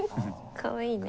かわいい。